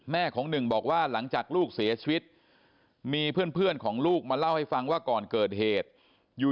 ของหนึ่งบอกว่าหลังจากลูกเสียชีวิตมีเพื่อนของลูกมาเล่าให้ฟังว่าก่อนเกิดเหตุอยู่